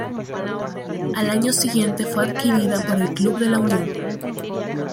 Al año siguiente fue adquirida por el Club de la Unión.